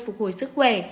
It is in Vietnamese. phục hồi sức khỏe